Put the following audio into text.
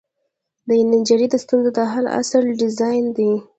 د انجنیری د ستونزو د حل اصل ډیزاین دی.